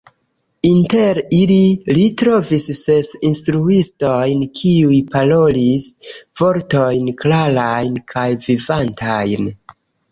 Inter ili, li trovis ses instruistojn, kiuj parolis "vortojn klarajn kaj vivantajn.